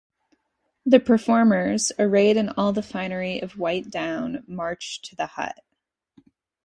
The performers, arrayed in all the finery of white down, march to the hut.